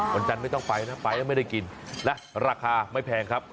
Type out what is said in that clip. วันจันทร์ไม่ต้องไปนะไปแล้วไม่ได้กินและราคาไม่แพงครับ